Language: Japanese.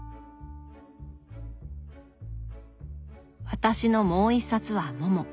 私のもう一冊は「モモ」。